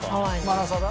マラサダ？